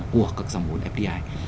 của các dòng hồn fdi